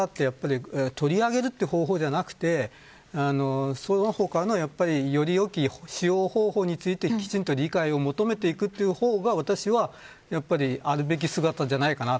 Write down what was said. そのことを見計らって取り上げるという方法ではなくてその他のより良き使用法についてきちんと理解を求めていくという方が私はあるべき姿じゃないかなと。